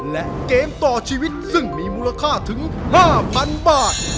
และเกมต่อชีวิตซึ่งมีมูลค่าถึง๕๐๐๐บาท